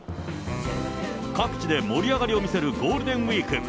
各地で盛り上がりを見せるゴールデンウィーク。